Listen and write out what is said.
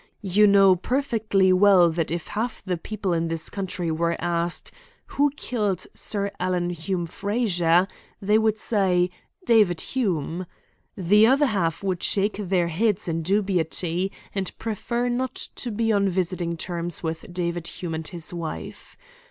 You know perfectly well that if half the people in this county were asked, 'Who killed Sir Alan Hume Frazer?' they would say 'David Hume.' The other half would shake their heads in dubiety, and prefer not to be on visiting terms with David Hume and his wife.